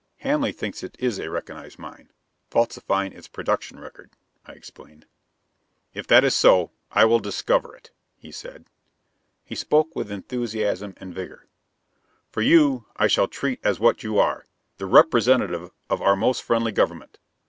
"Hanley thinks it is a recognized mine, falsifying its production record," I explained. "If that is so, I will discover it," he said. He spoke with enthusiasm and vigor. "For you I shall treat as what you are the representative of our most friendly government.